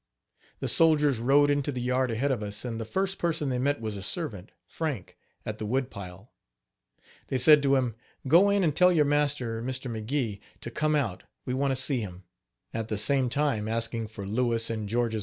The soldiers rode into the yard ahead of us, and the first person they met was a servant (Frank) at the woodpile. They said to him: "Go in and tell your master, Mr. McGee, to come out, we want to see him," at the same time asking for Louis' and George's wives.